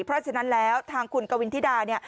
เพราะฉะนั้นแล้วทางคุณกวินธิดาเนี่ย